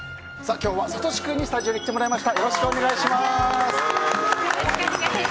今日は、サトシ君にスタジオに来てもらいました。